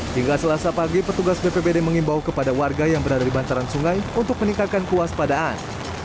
hingga selasa pagi petugas bpbd mengimbau kepada warga yang berada di bantaran sungai untuk meningkatkan kuas padaan